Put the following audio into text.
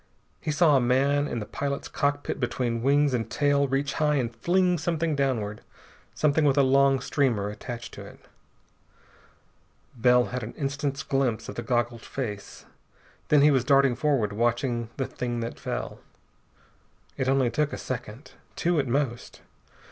He saw a man in the pilot's cockpit between wings and tail reach high and fling something downward, something with a long streamer attached to it. Bell had an instant's glimpse of the goggled face. Then he was darting forward, watching the thing that fell. It took only a second. Two at most.